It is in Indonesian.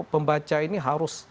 pembaca ini harus